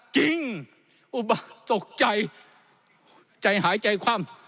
อุบะตกใจใจหายใจคว่ำ